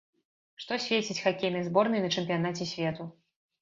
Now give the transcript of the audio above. Што свеціць хакейнай зборнай на чэмпіянаце свету?